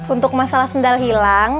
untuk masalah sendal hilang